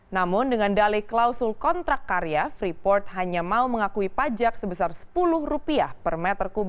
namun dengan dalih klausul kontrak karya freeport hanya mau mengakui pajak sebesar rp sepuluh per m tiga